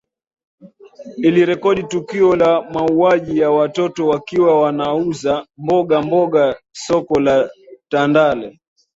Ilirekodi tukio la mauwaji ya Watoto wakiwa wanauza mboga mboga soko la tandale